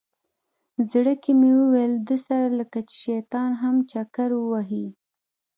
زړه کې مې ویل ده سره لکه چې شیطان هم چکر ووهي.